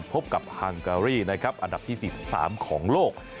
พบกับฮังการีนะครับอันดับที่๔๓ของโลก